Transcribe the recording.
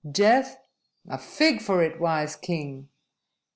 "Death? A fig for it, wise king!